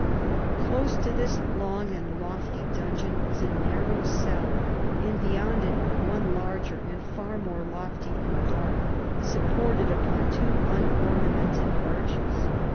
Close to this long and lofty dungeon was a narrow cell, and beyond it one larger and far more lofty and dark, sup K 130 ported upon two unornamented arches.